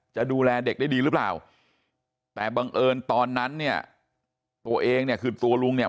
จะดูแลเด็กได้ดีหรือเปล่าแต่บังเอิญตอนนั้นเนี่ยตัวเองเนี่ยคือตัวลุงเนี่ย